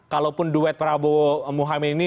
kalaupun duet prabowo muhaymin ini